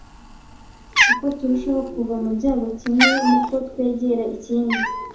Uko turushaho kuva mu byago kimwe, niko twegera ikindi.